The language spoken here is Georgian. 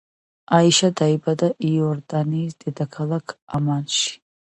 აიშა დაიბადა იორდანიის დედაქალაქ ამანში.